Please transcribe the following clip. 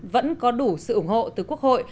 vẫn có đủ sự ủng hộ từ quốc hội